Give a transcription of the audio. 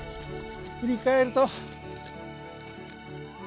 振り返ると剣山。